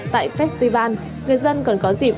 tại festival người dân còn có dịp